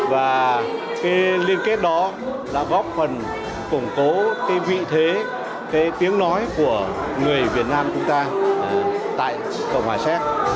và cái liên kết đó đã góp phần củng cố cái vị thế cái tiếng nói của người việt nam chúng ta tại cộng hòa séc